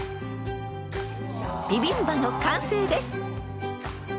［ビビンバの完成です］